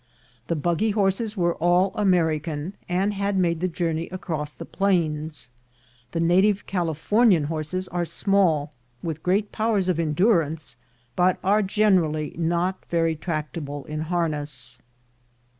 The buggy horses were all American, and had made the journey across the plains. The native Californian horses are small, with great powers of endurance, but are generally not very tractable in harness.